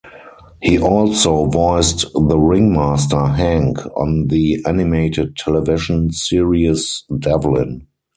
He also voiced the ringmaster, Hank, on the animated television series "Devlin".